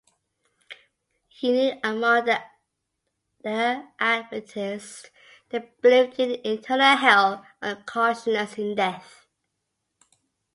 Unique among the Adventists, they believed in an eternal hell and consciousness in death.